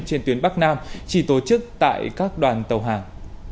trên tuyến bắc nam chỉ tổ chức tại các đoàn tàu hàng